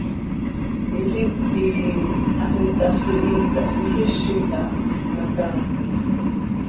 Hilít quih hax iisax quihiih cah cöijizi cah hpmacaanoj.